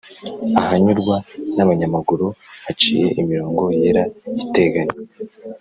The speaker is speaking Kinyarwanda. Ahanyurwa n'abanyamaguru haciye imirongo yera iteganye